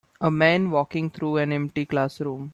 A man walking through an empty classroom